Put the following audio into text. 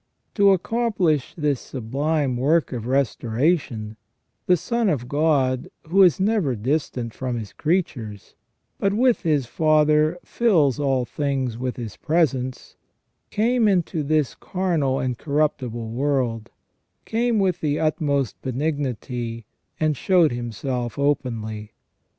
To accomplish this sublime work of restoration, the Son of God, who is never distant from His creatures, but with His Father fills all things with His presence, came into this carnal and corrup tible world ; came with the utmost benignity, and showed Himself 21 322 THE RESTORA TION OF MAN. openly.